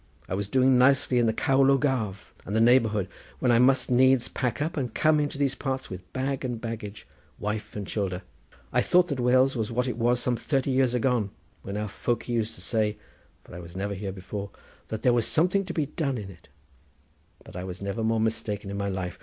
I was doing nicely in the Kaulo Gav and the neighbourhood, when I must needs pack up and come into these parts with bag and baggage, wife and childer. I thought that Wales was what it was some thirty years agone when our foky used to say—for I was never here before—that there was something to be done in it; but I was never more mistaken in my life.